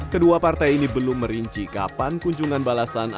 kedua partai ini belum merinci kapan kunjungan balasan